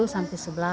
sepuluh sampai sebelas